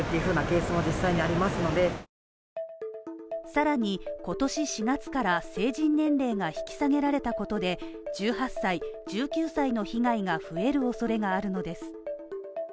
さらに今年４月から成人年齢が引き下げられたことで、１８歳、１９歳の被害が増える恐れがあるのです。